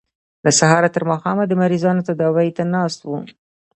له سهاره تر ماښامه د مریضانو تداوۍ ته ناست وو.